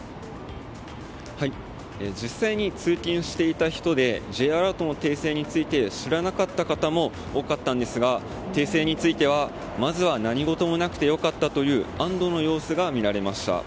実際に通勤していた人でＪアラートの訂正について知らなかった方も多かったんですが訂正についてはまずは何事もなくて良かったという安堵の様子が見られました。